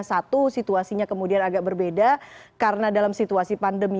satu situasinya kemudian agak berbeda karena dalam situasi pandemi